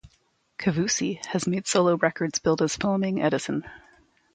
Kavoussi has made solo records billed as Phoaming Edison.